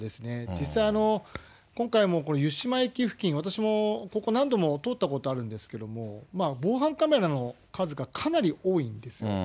実際、今回もこれ、湯島駅付近、私もここ何度も通ったことあるんですけれども、防犯カメラの数がかなり多いんですよ。